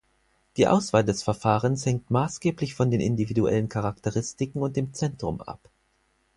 Die Auswahl des Verfahrens hängt maßgeblich von den individuellen Charakteristiken und dem Zentrum ab.